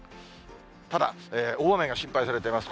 ただ、大雨が心配されています。